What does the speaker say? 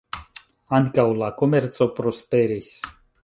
Ankaŭ la komerco prosperis.